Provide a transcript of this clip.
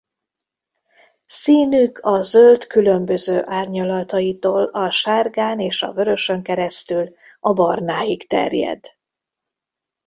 Színük a zöld különböző árnyalataitól a sárgán és a vörösön keresztül a barnáig terjed.